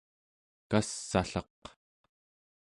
kass'allaq